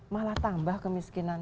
malah tambah kemiskinan